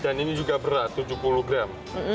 dan ini juga berat tujuh puluh gram